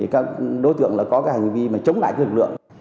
các đối tượng có hành vi chống lại lực lượng